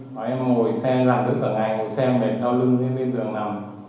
bảo em ngồi xe làm được cả ngày ngồi xem để đau lưng lên bên giường nằm